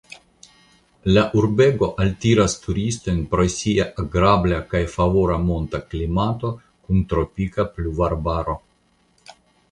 La urbego altiras turistojn pro sia agrabla kaj favora monta klimato kun tropika pluvarbaro.